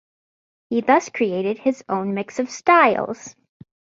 He thus created his own mix of styles.